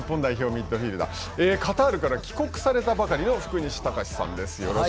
ミッドフィルダーカタールから帰国されたばかりの福西崇史さんです。